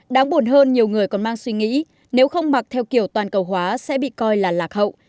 đáng buồn hơn nhiều người còn mang suy nghĩ nếu không mặc theo kiểu toàn cầu hóa sẽ bị coi là lạc hậu